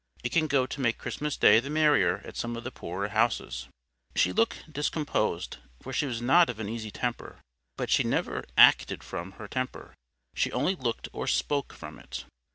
It can go to make Christmas Day the merrier at some of the poorer houses." She looked discomposed, for she was not of an easy temper. But she never ACTED from her temper; she only LOOKED or SPOKE from it.